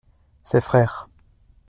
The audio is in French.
Ses frères.